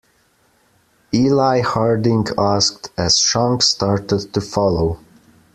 Eli Harding asked, as Shunk started to follow.